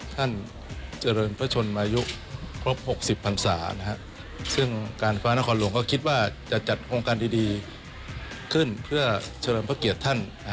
ท่านเจริญพระชนมายุครบ๖๐พันศาซึ่งการฟ้านครหลวงก็คิดว่าจะจัดโครงการดีขึ้นเพื่อเฉลิมพระเกียรติท่าน